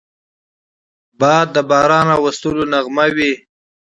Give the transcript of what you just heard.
باد د باران راوستلو نغمه وي